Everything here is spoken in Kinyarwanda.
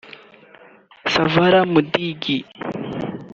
Savara Mudigi